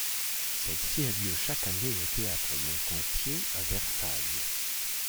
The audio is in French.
Celle-ci a lieu chaque année au Théâtre Montansier à Versailles.